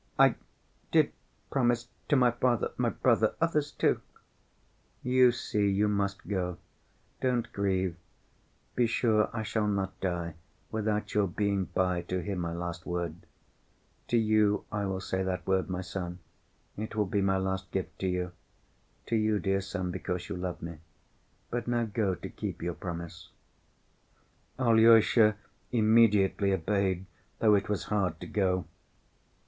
"I did promise—to my father—my brothers—others too." "You see, you must go. Don't grieve. Be sure I shall not die without your being by to hear my last word. To you I will say that word, my son, it will be my last gift to you. To you, dear son, because you love me. But now go to keep your promise." Alyosha immediately obeyed, though it was hard to go.